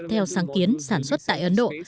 theo sáng kiến sản xuất tại ấn độ